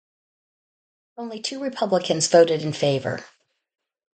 Only two Republicans voted in favor.